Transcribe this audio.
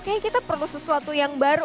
kayaknya kita perlu sesuatu yang baru